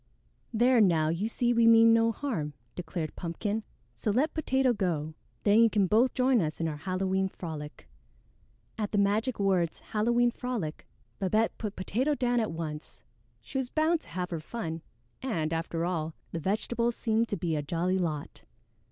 "There, now, you see we mean no harm," declared Pumpkin, "so let Potato go. Then you can both join us in our Halloween frolic." At the magic words "Halloween frolic," Babette put Potato down at once. She was bound to have her fun, and, after all, the vegetables seemed to be a jolly lot.